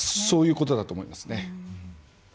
そういうことだと思います。